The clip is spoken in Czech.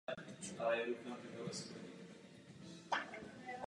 Se Slavií chytal v lize i v evropských pohárech.